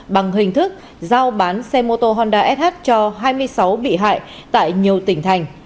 bằng hình thức giao bán xe mô tô honda sh cho hai mươi sáu bị hại tại nhiều tỉnh thành